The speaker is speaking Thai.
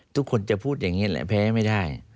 ทุกคนจะพูดอย่างนี้แหละแพ้ไม่ได้